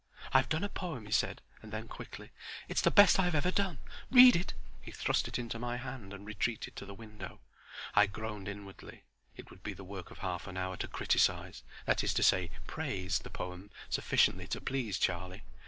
"I've done a poem," he said; and then quickly: "it's the best I've ever done. Read it." He thrust it into my hand and retreated to the window. I groaned inwardly. It would be the work of half an hour to criticise—that is to say praise—the poem sufficiently to please Charlie.